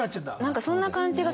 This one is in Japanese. なんかそんな感じがする。